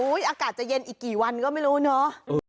อากาศจะเย็นอีกกี่วันก็ไม่รู้เนอะ